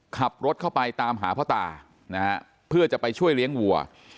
ขับรถเข้าไปตามหาพ่อตานะฮะเพื่อจะไปช่วยเลี้ยงวัว